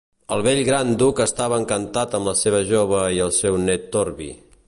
El vell gran duc estava encantat amb la seva jove i el seu net Torby.